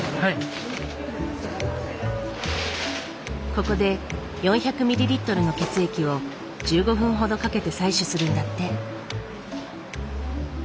ここで４００ミリリットルの血液を１５分ほどかけて採取するんだって。